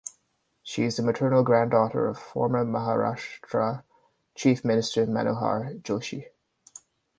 She is the maternal granddaughter of former Maharashtra Chief Minister Manohar Joshi.